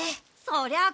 そりゃあ